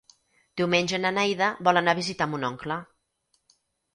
Diumenge na Neida vol anar a visitar mon oncle.